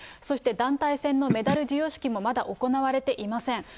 そして団体戦のメダル授与式も、まだ行われていません。